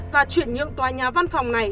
và chuyển nhượng tòa nhà văn phòng này